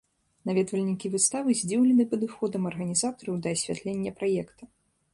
Наведвальнікі выставы здзіўлены падыходам арганізатараў да асвятлення праекта.